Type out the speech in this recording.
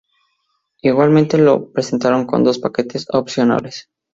Igualmente lo presentaron con dos paquetes opcionales.